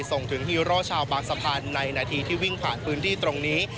ส่งถึงฮีโร่ชาวบางสะพานในนาทีที่วิ่งผ่านพื้นที่ตรงนี้